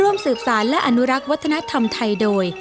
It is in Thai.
ร่วมสืบสารและอนุรักษ์วัฒนธรรมไทยโดย